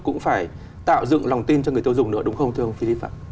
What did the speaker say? cũng phải tạo dựng lòng tin cho người tiêu dùng nữa đúng không thưa ông philip phạm